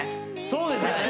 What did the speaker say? そうですよね